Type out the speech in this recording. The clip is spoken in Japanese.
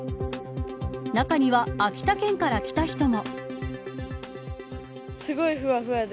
中には、秋田県から来た人も。